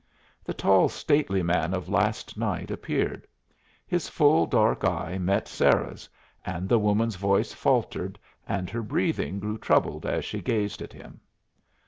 The tall, stately man of last night appeared. His full dark eye met Sarah's, and the woman's voice faltered and her breathing grew troubled as she gazed at him.